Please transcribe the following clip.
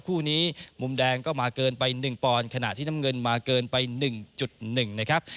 คู่นี้มุมแดงก็มาเกินไป๑ปอนด์ขณะที่น้ำเงินมาเกินไป๑๑นะครับ